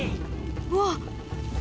わっ！